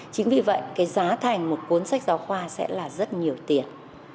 chính vì vậy cái giá thành một cuốn sách giáo khoa sẽ là rất nhiều tiền